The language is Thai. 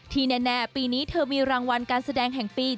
แน่ปีนี้เธอมีรางวัลการแสดงแห่งปี